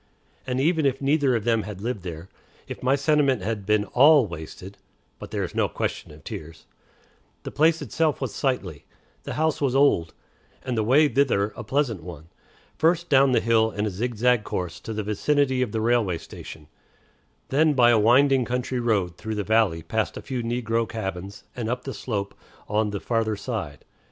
And even if neither of them had lived there, if my sentiment had been all wasted (but there was no question of tears), the place itself was sightly, the house was old, and the way thither a pleasant one first down the hill in a zigzag course to the vicinity of the railway station, then by a winding country road through the valley past a few negro cabins, and up the slope on the farther side.